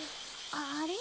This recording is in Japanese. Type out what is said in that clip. あれ？